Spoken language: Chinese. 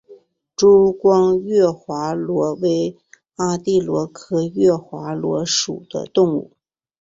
珠光月华螺为阿地螺科月华螺属的动物。